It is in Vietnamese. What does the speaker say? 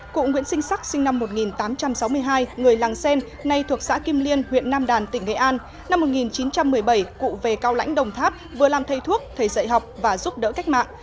cụ nguyễn sinh sắc sinh năm một nghìn tám trăm sáu mươi hai người làng xen nay thuộc xã kim liên huyện nam đàn tỉnh nghệ an năm một nghìn chín trăm một mươi bảy cụ về cao lãnh đồng tháp vừa làm thầy thuốc thầy dạy học và giúp đỡ cách mạng